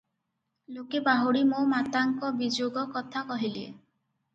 ଲୋକେ ବାହୁଡ଼ି ମୋ ମାତାଙ୍କ ବିଯୋଗ କଥା କହିଲେ ।